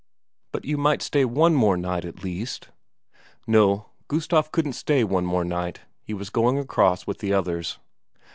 "But you might stay one more night at least?" No, Gustaf couldn't stay one more night he was going across with the others.